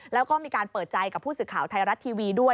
แล้วก็มีการเปิดใจกับผู้สื่อข่าวไทยรัฐทีวีด้วย